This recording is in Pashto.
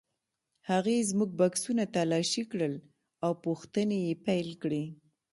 هغې زموږ بکسونه تالاشي کړل او پوښتنې یې پیل کړې.